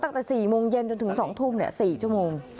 ตั้งแต่๔โมงเย็นจนถึง๒ทุ่ม๔ชั่วโมง